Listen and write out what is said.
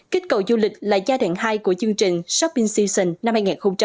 kích cầu du lịch là giai đoạn hai của chương trình shopping season năm hai nghìn hai mươi ba